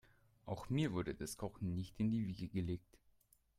Auch mir wurde das Kochen nicht in die Wiege gelegt.